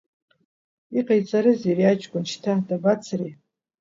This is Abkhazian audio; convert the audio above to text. Иҟаиҵарызеи ари аҷкәын шьҭа, дабацари?